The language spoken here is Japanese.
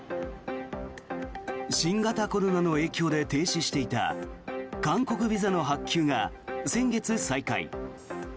新型コロナの影響で停止していた韓国ビザの発給が先月、再開。